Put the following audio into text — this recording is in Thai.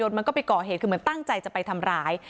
มันก็ไปก่อเหตุคือเหมือนตั้งใจจะไปทำร้าย